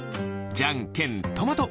じゃんけんトマト！